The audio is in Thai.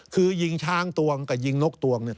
คือยิงช้างตวงกับยิงนกตวงเนี่ย